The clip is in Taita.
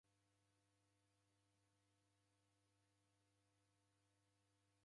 Nimanyaa w'ada niseghorelo ni mndungi?